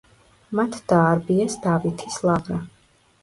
მათ დაარბიეს დავითის ლავრა.